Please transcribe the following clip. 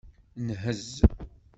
Nhez.